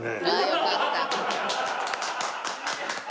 よかった。